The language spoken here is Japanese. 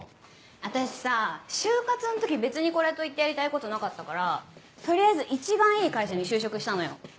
私さぁ就活の時別にこれといってやりたいことなかったから取りあえず一番いい会社に就職したのよ。